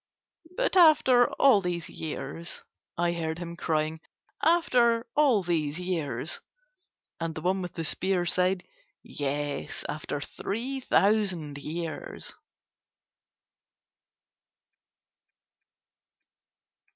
"But after all these years," I heard him crying, "After all these years...." And the one with the spear said: "Yes, after three thousand years...."